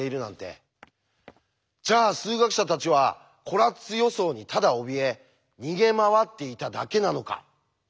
じゃあ数学者たちはコラッツ予想にただおびえ逃げ回っていただけなのか。